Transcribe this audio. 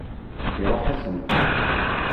Iṛuḥ-asent.